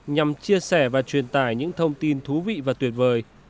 nhằm chia sẻ và truyền tải những thông tin thú vị và tuyệt vời